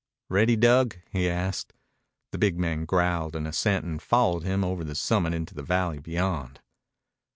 "Ready, Dug?" he asked. The big man growled an assent and followed him over the summit into the valley beyond.